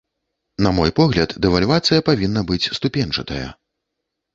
На мой погляд, дэвальвацыя павінна быць ступеньчатая.